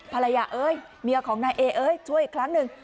ภรรยาเอ๊ยเมียของนายเอ๊ยช่วยอีกครั้งหนึ่ง